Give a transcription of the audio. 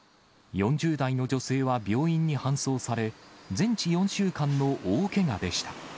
４０代の女性は病院に搬送され、全治４週間の大けがでした。